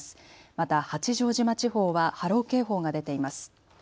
また八丈島地方は波浪警報が出ています。